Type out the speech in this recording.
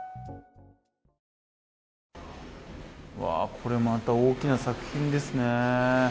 これまた大きな作品ですね。